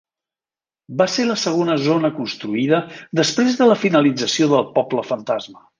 Va ser la segona zona construïda després de la finalització del Poble Fantasma.